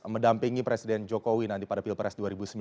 mendampingi presiden jokowi nanti pada pilpres dua ribu sembilan belas